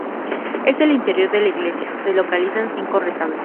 En el interior de la iglesia se localizan cinco retablos.